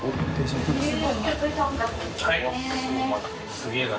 すげぇな。